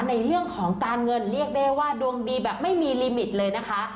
ในเรื่องของการเงินเรียกได้ว่าดวงดีแบบไม่มีลิมิตเลยนะคะ